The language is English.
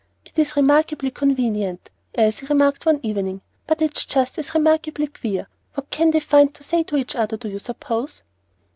"It's remarkably convenient," Elsie remarked one evening; "but it's just as remarkably queer. What can they find to say to each other do you suppose?"